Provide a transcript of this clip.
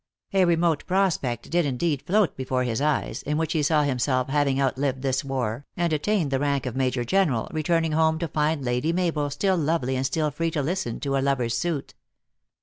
A remote prospect did indeed float before his eyes, in which he saw himself having out lived this war, and attained the rank of Major Gen eral, returning home to find Lady Mabel still lovely and still free to listen to a lover s suit.